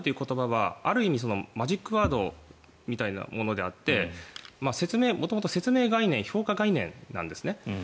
マインドコントロールという言葉はある意味マジックワードみたいなことであって説明概念、評価概念なんです。